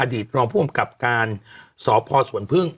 อดีตรองภูมิกับการสอบพอสวนพึ่ง